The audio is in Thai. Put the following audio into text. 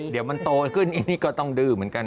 เดี๋ยวมันโตขึ้นอีกนี่ก็ต้องดื้อเหมือนกัน